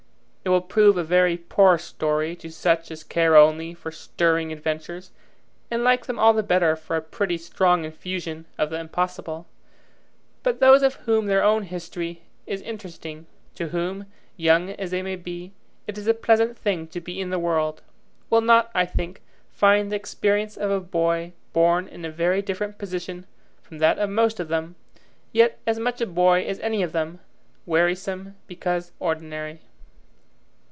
It will prove a very poor story to such as care only for stirring adventures, and like them all the better for a pretty strong infusion of the impossible; but those to whom their own history is interesting to whom, young as they may be, it is a pleasant thing to be in the world will not, I think, find the experience of a boy born in a very different position from that of most of them, yet as much a boy as any of them, wearisome because ordinary.